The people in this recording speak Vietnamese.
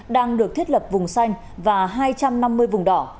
đang được thiết lập vùng xanh và hai trăm năm mươi vùng đỏ